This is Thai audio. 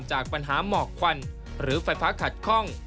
จากปัญหาหมอกควันหรือไฟฟ้าขัดคล่อง